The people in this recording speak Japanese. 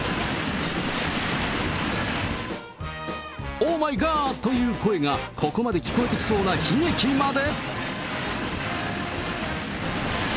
オーマイガッ！という声が、ここまで聞こえてきそうな悲劇まで。